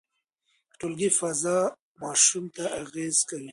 د ټولګي فضا ماشوم ته اغېز کوي.